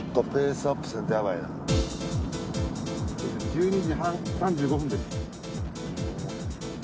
１２時３５分です。